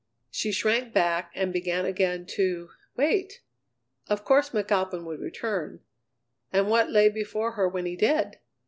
She shrank back and began again to wait! Of course McAlpin would return and what lay before her when he did?